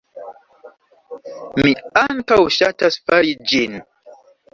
Mi ankaŭ ŝatas fari ĝin.